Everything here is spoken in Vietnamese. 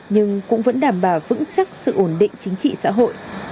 nhưng cũng vẫn đảm bảo vững chắc sự ổn định chính trị xã hội